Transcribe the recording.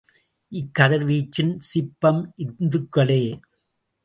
இக்கதிர்வீச்சின் சிப்பம் இத்துகளே.